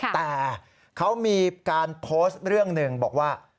แต่เขามีการโพสต์เรื่องหนึ่งบอกว่า